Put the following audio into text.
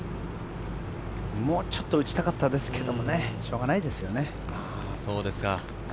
もうちょっと打ちたかったですけどね、しょうがないですよね。